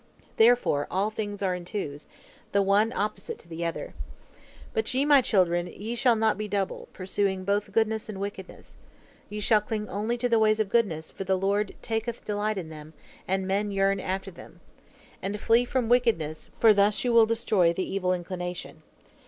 Therefore all things are in twos, the one opposite to the other. But ye, my children, ye shall not be double, pursuing both goodness and wickedness. Ye shall cling only to the ways of goodness, for the Lord taketh delight in them, and men yearn after them. And flee from wickedness, for thus you will destroy the evil inclination.